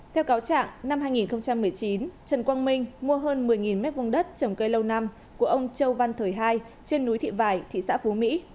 theo cáo trạng năm hai nghìn một mươi chín trần quang minh mua hơn một mươi m hai đất trồng cây lâu năm của ông châu văn thời hai trên núi thị vải thị xã phú mỹ